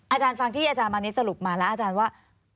อาจารย์ฟังที่อาจารย์มานิดสรุปมาแล้วอาจารย์ว่า